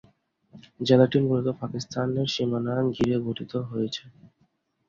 জেলাটি মূলত পাকিস্তানের সীমানা ঘিরে গঠিত হয়েছে।